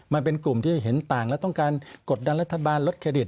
มันเป็นกลุ่มที่เห็นต่างและต้องการกดดันรัฐบาลลดเครดิต